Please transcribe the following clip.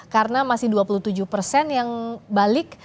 karena masih dua puluh tujuh yang balik